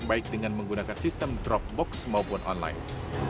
baik dengan menggunakan sistem dropbox maupun online